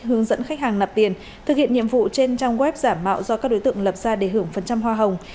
hướng dẫn khách hàng nạp tiền thực hiện nhiệm vụ trên trang web giả mạo do các đối tượng lập ra để hưởng phần trăm hoa hồng